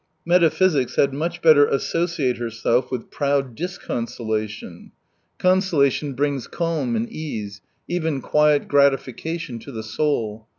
Metaphysics had much better associate herself with proud disconsolation. Consola 220 tion brings calm and ease, even quiet gratification to the soul.